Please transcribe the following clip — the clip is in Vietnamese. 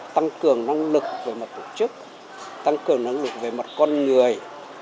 tăng cường năng lực về mặt tổ chức tăng cường năng lực về mặt con người